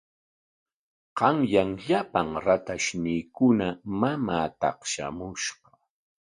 Qanyan llapan ratayniikuna mamaa taqshamushqa.